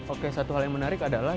oke satu hal yang menarik adalah